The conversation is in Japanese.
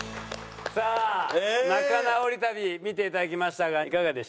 さあ仲直り旅見ていただきましたがいかがでした？